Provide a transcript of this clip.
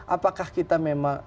apakah kita memang